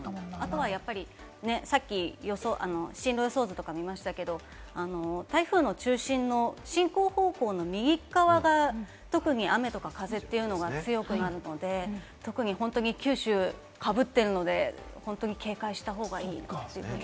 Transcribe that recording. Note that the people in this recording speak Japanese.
あとは、進路予想図とか見ましたけれども、台風の中心の進行方向の右側が特に雨とか、風が強くなるので、特に九州、かぶっているので、警戒した方がいいですよね。